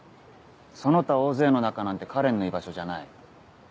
その他大勢の中なんて花恋の居場所じゃない。